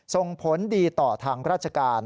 ส่งผลดีต่อทางราชการ